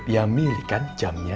beb ya milih kan jamnya